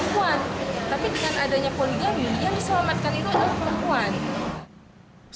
tapi dengan adanya poligami yang diselamatkan itu adalah perempuan